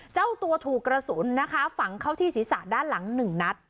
เจ้าตัวถูกกระสุนนะคะฝังเข้าที่ศีรษะด้านหลัง๑นัด